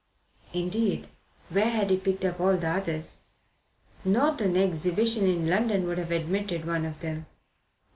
Indeed, where had he picked up all the others? Not an exhibition in London would have admitted one of them.